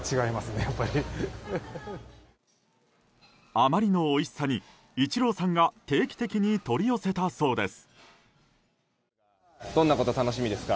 あまりのおいしさにイチローさんが定期的に取り寄せたそうです。